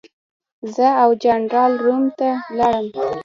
زه او جنرال روم ته ولاړو.